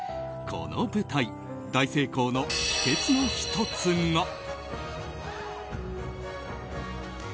この舞台大成功の秘訣の１つが。